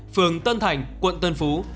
phường tân thành quận tân phú